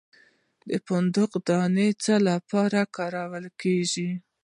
د فندق دانه د څه لپاره وکاروم؟